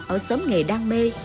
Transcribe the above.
ở xóm nghề đam mê